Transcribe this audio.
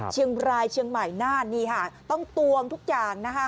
เชียงรายเชียงใหม่น่านนี่ค่ะต้องตวงทุกอย่างนะคะ